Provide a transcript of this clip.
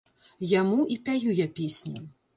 Яму і пяю я песню.